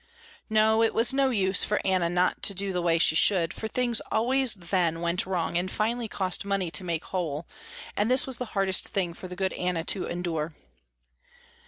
No, it was no use for Anna not to do the way she should, for things always then went wrong and finally cost money to make whole, and this was the hardest thing for the good Anna to endure.